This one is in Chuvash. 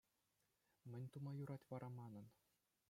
Мӗн тума юрать вара манӑн?